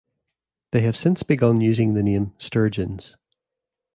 They have since begun using the name Sturgeons.